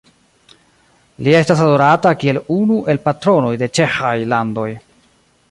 Li estas adorata kiel unu el patronoj de ĉeĥaj landoj.